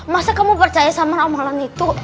masa kamu percaya sama ramalan itu